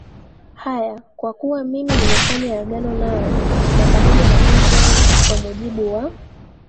haya kwa kuwa mimi nimefanya agano nawe na pamoja na Israeli kwa mujibu wa